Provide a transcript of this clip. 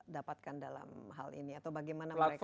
dapatkan dalam hal ini atau bagaimana mereka